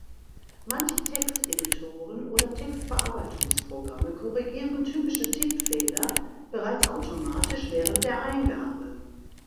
Manche Texteditoren oder Textverarbeitungsprogramme korrigieren typische Tippfehler bereits automatisch während der Eingabe.